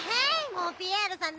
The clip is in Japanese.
もうピエールさん